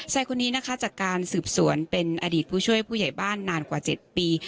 ชายคนนี้นะคะจากการสืบสวนเป็นอดีตผู้ช่วยผู้ใหญ่บ้านนานกว่า๗ปี